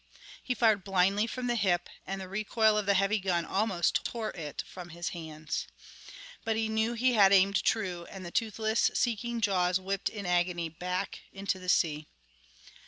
He fired blindly from the hip, and the recoil of the heavy gun almost tore it from his hands. But he knew he had aimed true, and the toothless, seeking jaws whipped in agony back into the sea.